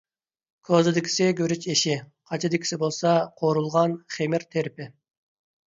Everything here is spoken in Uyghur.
كوزىدىكىسى گۈرۈچ ئېشى، قاچىدىكىسى بولسا، قورۇلغان خېمىر تىرىپى.